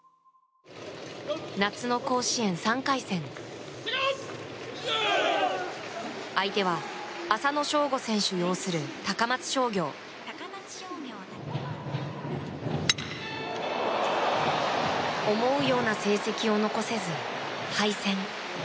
夏の甲子園３回戦相手は浅野翔吾選手を擁する高松商業。思うような成績を残せず敗戦。